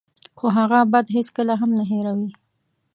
خو هغه بد هېڅکله هم نه هیروي.